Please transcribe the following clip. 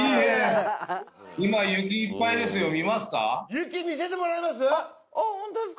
雪見せてもらえます？